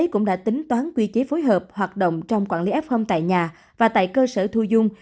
cũng đã tính toán quy chế phối hợp hoạt động trong quản lý fm tại nhà và tại cơ sở thu dung